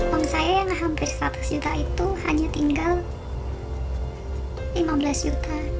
uang saya yang hampir seratus juta itu hanya tinggal lima belas juta